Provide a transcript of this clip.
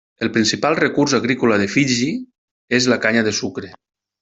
El principal recurs agrícola de Fiji és la canya de sucre.